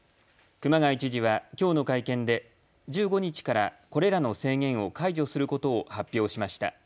熊谷知事はきょうの会見で１５日からこれらの制限を解除することを発表しました。